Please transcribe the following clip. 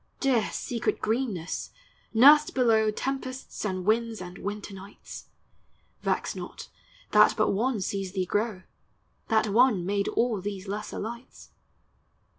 Dear, secret greenness! nursl below Tempests and winds and winter nights! Vex not, that but One sees thee grow; That One made all these lesser lights.